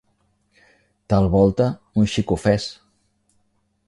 ...tal volta un xic ofès